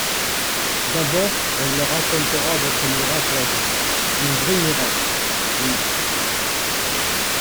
D'abord, on leur racontera votre miracle, à vous … Un vrai miracle … oui.